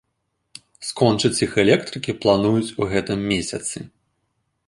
Скончыць іх электрыкі плануюць у гэтым месяцы.